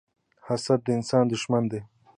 حسد د انسان دښمن دی